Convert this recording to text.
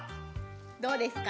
どうですか？